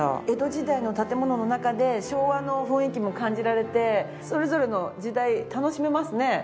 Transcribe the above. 江戸時代の建物の中で昭和の雰囲気も感じられてそれぞれの時代楽しめますね。